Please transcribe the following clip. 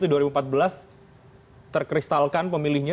terkristalkan pemilihnya sebagai segmen pemilih loyal